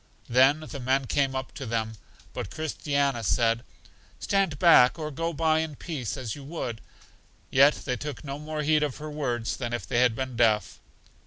Then the men came up to them, but Christiana said: Stand back, or go by in peace, as you should. Yet they took no more heed of her words than if they had been deaf.